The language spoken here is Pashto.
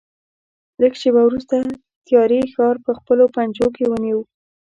لږ شېبه وروسته تیارې ښار په خپلو پنجو کې ونیو.